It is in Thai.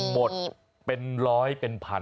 หมดเป็นร้อยเป็นพัน